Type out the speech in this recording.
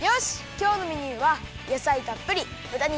きょうのメニューはやさいたっぷりぶた肉